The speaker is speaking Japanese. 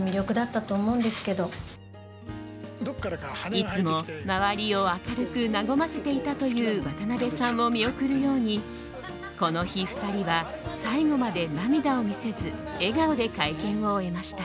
いつも周りを明るく和ませていたという渡辺さんを見送るようにこの日２人は最後まで涙を見せず笑顔で会見を終えました。